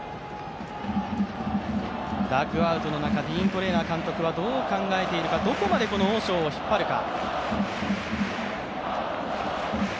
ダグアウトの中、ディーン・トレーナー監督はどう考えているか、どこまでオウ・ショウを引っ張るか。